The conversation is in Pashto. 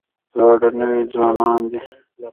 دواړه نوي ځوانان دي.